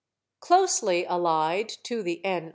Closely allied to the N.